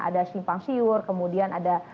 ada simpang siur kemudian ada